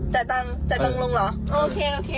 จ่ายตังค์จ่ายตังค์ลุงเหรอโอเคโอเค